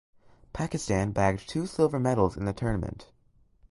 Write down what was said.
Pakistan bagged two silver medals in the tournament.